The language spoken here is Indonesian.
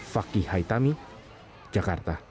fakih haitami jakarta